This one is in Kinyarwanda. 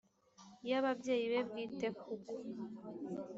y abayeyi be bwite kuko